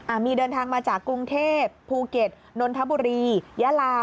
มีเดินทางมาจากกรุงเทพภูเก็ตนนทบุรียะลา